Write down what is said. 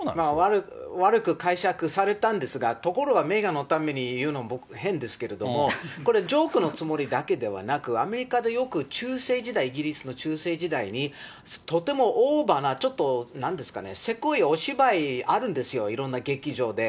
悪く解釈されたんですが、ところがメーガンのために言うのも僕、変ですけれども、これ、ジョークのつもりだけではなく、アメリカでよく中世時代、イギリスの中世時代に、とてもオーバーな、ちょっとなんですかね、せこいお芝居あるんですよ、いろんな劇場で。